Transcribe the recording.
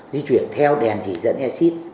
di chuyển theo đèn chỉ dẫn exit